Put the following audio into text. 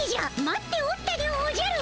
待っておったでおじゃる。